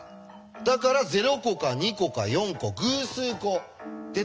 だから０個か２個か４個偶数個出てきます。